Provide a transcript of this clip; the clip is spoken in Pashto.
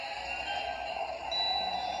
د غريبانو مرسته د ايمان کمال دی.